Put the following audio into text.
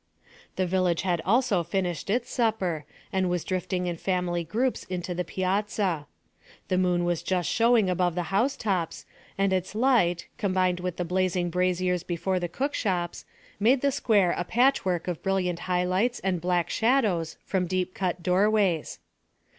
The village also had finished its supper and was drifting in family groups into the piazza. The moon was just showing above the house tops, and its light, combined with the blazing braziers before the cook shops, made the square a patchwork of brilliant high lights and black shadows from deep cut doorways.